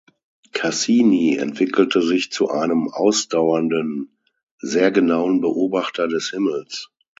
Cassini entwickelte sich zu einem ausdauernden, sehr genauen Beobachter des Himmels.